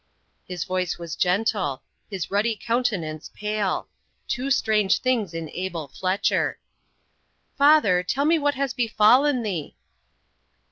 His voice was gentle; his ruddy countenance pale; two strange things in Abel Fletcher. "Father, tell me what has befallen thee?"